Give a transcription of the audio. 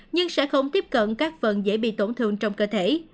nhưng sẽ không tiếp cận các phần dễ bị tổn thương trong cơ thể